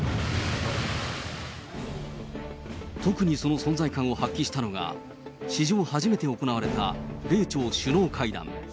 特にその存在感を発揮したのが、史上初めて行われた米朝首脳会談。